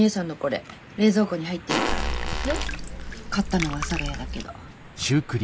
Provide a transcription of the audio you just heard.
買ったのは阿佐ヶ谷だけど。